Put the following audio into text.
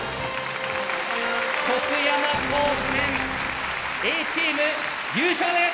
徳山高専Ａチーム優勝です！